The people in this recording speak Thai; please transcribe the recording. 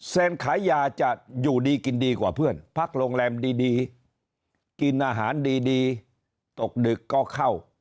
ขายยาจะอยู่ดีกินดีกว่าเพื่อนพักโรงแรมดีกินอาหารดีตกดึกก็เข้า